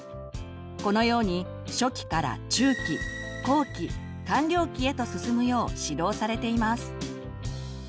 このように初期から中期後期完了期へと進むよう指導されています。